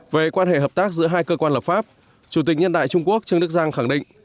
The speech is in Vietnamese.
về quan hệ hợp tác giữa hai cơ quan lập pháp chủ tịch nhân đại trung quốc trương đức giang khẳng định